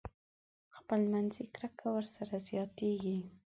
خپل منځي کرکه ورسره زياتېږي.